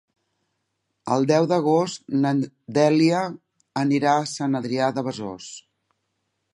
El deu d'agost na Dèlia anirà a Sant Adrià de Besòs.